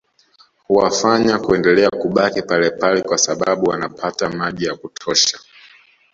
Huwafanya kuendelea kubaki palepale kwa sababu wanapata maji ya kutosha